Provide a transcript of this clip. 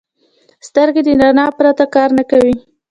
سترګې د رڼا نه پرته کار نه کوي